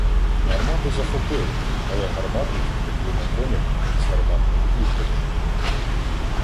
Гармати захопили, але гарматники втекли на конях із гарматною упряжжю.